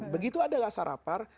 begitu ada rasa lapar